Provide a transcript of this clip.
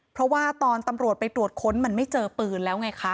เพราะว่าตอนตำรวจไปตรวจค้นมันไม่เจอปืนแล้วไงคะ